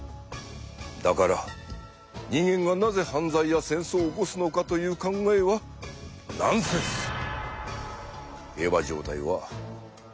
だから人間がなぜ犯罪や戦争を起こすのかという考えはナンセンス！